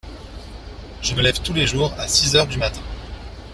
Je me lève tous les jours à six heures du matin.